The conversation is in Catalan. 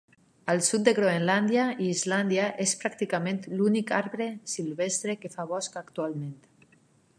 Al sud de Groenlàndia i Islàndia és pràcticament l'únic arbre silvestre que fa bosc actualment.